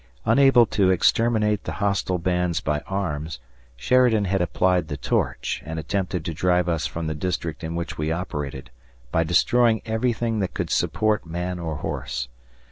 Unable to exterminate the hostile bands by arms, Sheridan had applied the torch and attempted to drive us from the district in which we operated by destroying everything that could support man or horse.